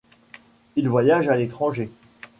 Il voyage à l'étranger.